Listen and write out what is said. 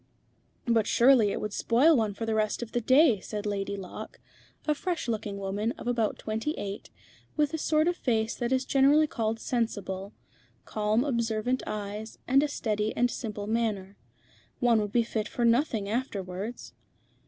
"But surely it would spoil one for the rest of the day," said Lady Locke, a fresh looking woman of about twenty eight, with the sort of face that is generally called sensible, calm observant eyes, and a steady and simple manner. "One would be fit for nothing afterwards."